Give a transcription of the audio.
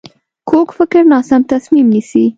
کوږ فکر ناسم تصمیم نیسي